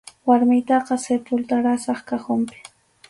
Warmiytaqa sepulturasaq cajonpi.